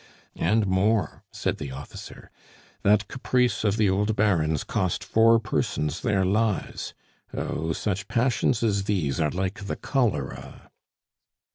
"And more," said the officer. "That caprice of the old Baron's cost four persons their lives. Oh! such passions as these are like the cholera!"